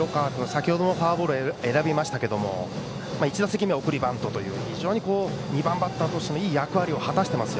先程、フォアボールを選びましたけども１打席目は送りバントという非常に２番バッターとしてのいい役割を果たしています。